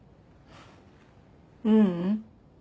ううん。